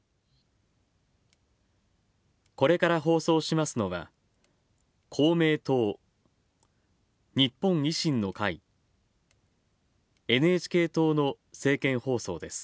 これから放送しますのは、公明党日本維新の会ＮＨＫ党の政見放送です。